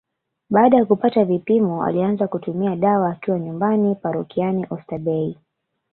Baada ya kupata vipimo alianza kutumia dawa akiwa nyumbani parokiani ostabei